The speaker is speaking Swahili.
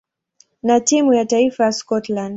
na timu ya taifa ya Scotland.